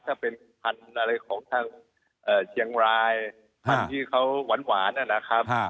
ถ้าเป็นพันธุ์อะไรของทางเชียงรายพันธุ์ที่เขาหวานนะครับ